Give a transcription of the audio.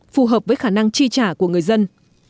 phù hợp với khả năng chi trả của người dân